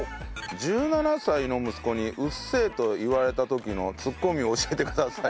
１７歳の息子に「うっせえ！」と言われた時のツッコミを教えてください。